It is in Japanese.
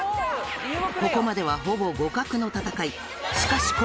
ここまではほぼ互角の戦い。